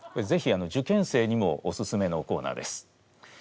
ぜひ受験生にもおすすめのコーナーです。